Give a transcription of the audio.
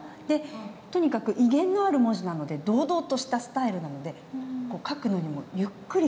とにかく威厳のある文字なので堂々としたスタイルなので書くのにもゆっくり書く。